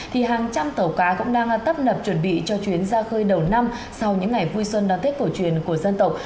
thì hàng trăm tàu cá cũng đang tấp nập chuẩn bị cho chuyến ra khơi đầu năm sau những ngày vui xuân đón tết cổ truyền của dân tộc